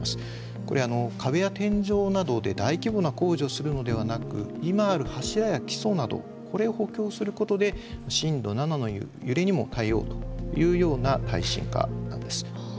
これ壁や天井などで大規模な工事をするのではなく今ある柱や基礎などこれを補強することで震度７の揺れにも耐えようというような耐震化なんです。